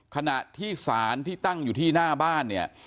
ขณะที่สารที่ตั้งอยู่ที่หน้าบ้านเนี่ย